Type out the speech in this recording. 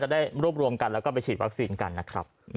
ได้รวบรวมกันแล้วก็ไปฉีดวัคซีนกันนะครับ